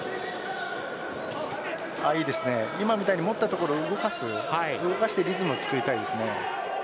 今みたいに持ったところを動かしてリズムを作りたいですね。